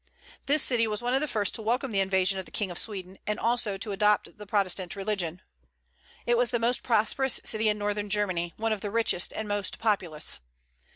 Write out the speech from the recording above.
This city was one of the first to welcome the invasion of the King of Sweden, and also to adopt the Protestant religion. It was the most prosperous city in northern Germany; one of the richest and most populous.